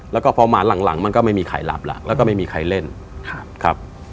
แล้วก็พอมาหลังมันก็ไม่มีใครหลับแล้วแล้วก็ไม่มีใครเล่นครับ